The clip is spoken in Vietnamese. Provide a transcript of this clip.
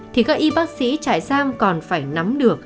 thì các y bác sĩ trại giam còn phải nắm được